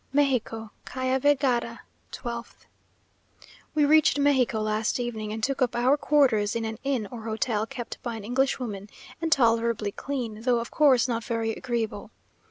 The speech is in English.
MEXICO, Calle Vergara, 12th. We reached Mexico last evening, and took up our quarters in an inn or hotel kept by an English woman, and tolerably clean, though of course not very agreeable.